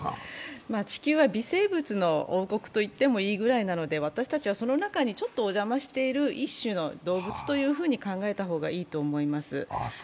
地球は微生物の王国と言ってもいいぐらいなので、私たちはその中にちょっとお邪魔している一種の動物と考えた方がいいと思います。